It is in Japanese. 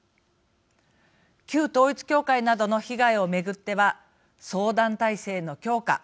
旧統一教会などの被害を巡っては相談体制の強化